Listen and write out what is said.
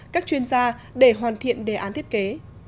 các chuyên gia để hoàn thiện đề án thiết kế